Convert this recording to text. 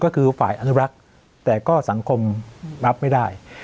ก็คือฝ่ายอนุรักษ์แต่ก็สังคมรับไม่ได้